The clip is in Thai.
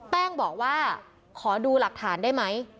แป้งบอกว่าขอดูหลักฐานได้ไหม